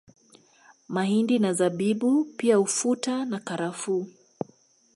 Mahindi na Zabibu pia ufuta na karafuu